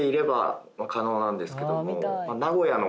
なんですけども。